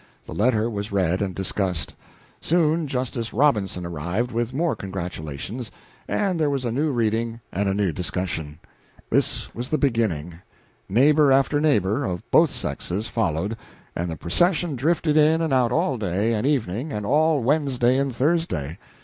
The letter was read and discussed. Soon Justice Robinson arrived with more congratulations, and there was a new reading and a new discussion. This was the beginning. Neighbor after neighbor, of both sexes, followed, and the procession drifted in and out all day and evening and all Wednesday and Thursday.